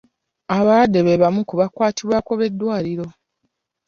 Abalwadde be bamu ku bakwatibwako b'eddwaliro.